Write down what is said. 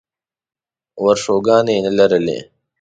ورشوګانې یې نه لرلې.